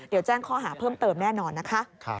เดี๋ยวแจ้งข้อหาเพิ่มเติมแน่นอนนะคะ